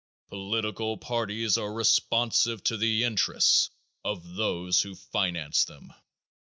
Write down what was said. Political parties are responsive to the interests of those who finance them.